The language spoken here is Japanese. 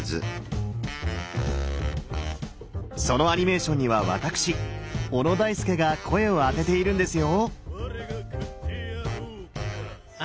そのアニメーションには私小野大輔が声をあてているんですよ！